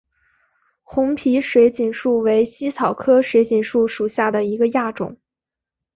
红皮水锦树为茜草科水锦树属下的一个亚种。